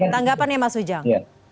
tanggapannya mas ujang